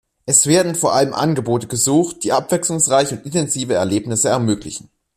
Es werden vor allem Angebote gesucht, die abwechslungsreiche und intensive Erlebnisse ermöglichen.